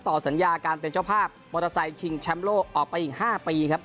สัญญาการเป็นเจ้าภาพมอเตอร์ไซค์ชิงแชมป์โลกออกไปอีก๕ปีครับ